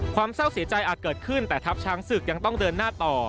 เศร้าเสียใจอาจเกิดขึ้นแต่ทัพช้างศึกยังต้องเดินหน้าต่อ